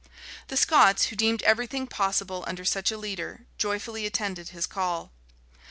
The Scots, who deemed everything possible under such a leader, joyfully attended his call.